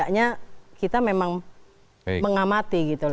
makanya kita memang mengamati gitu loh